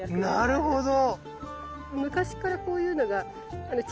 なるほど。